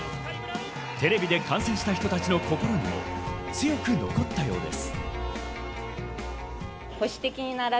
テレビで観戦した人たちの心にも強く残ったようです。